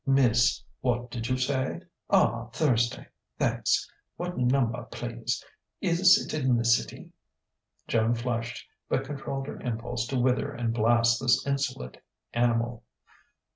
"Miss what did you say? Ah, Thursday! Thanks. What numba, please? Is it in the city?" Joan flushed, but controlled her impulse to wither and blast this insolent animal.